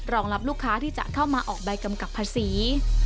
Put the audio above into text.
รองรับลูกค้าที่จะเข้ามาออกใบกำกับภาษี